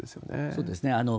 そうですね。